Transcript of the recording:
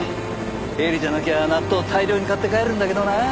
ヘリじゃなきゃ納豆大量に買って帰るんだけどな。